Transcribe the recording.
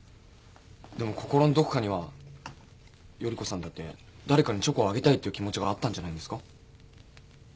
でも心のどこかには依子さんだって誰かにチョコをあげたいっていう気持ちがあったんじゃないんですか？